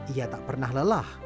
ia tak pernah lelah